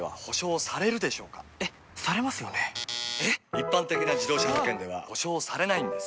一般的な自動車保険では補償されないんです